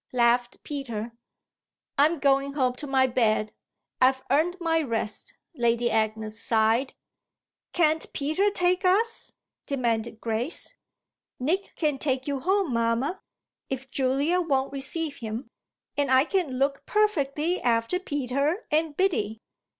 laughed Peter. "I'm going home to my bed. I've earned my rest," Lady Agnes sighed. "Can't Peter take us?" demanded Grace. "Nick can take you home, mamma, if Julia won't receive him, and I can look perfectly after Peter and Biddy."